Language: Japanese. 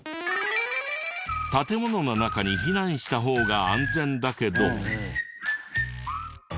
建物の中に避難した方が安全だけど。